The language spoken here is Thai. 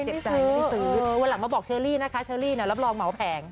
เจ็บใจไม่ซื้อวันหลังมาบอกเชอรี่นะคะเชอรี่รับรองเหมาแผง